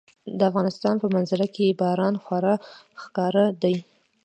د افغانستان په منظره کې باران خورا ښکاره دی.